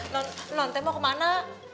non non teh mau kemana